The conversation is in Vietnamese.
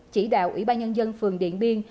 chỉ đạo ủy ban nhân dân phường điện biên